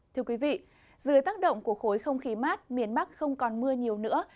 thưa quý vị dưới tác động của khối không khí mát miền bắc không còn mưa nhiều nữa